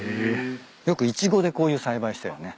よくイチゴでこういう栽培してるよね。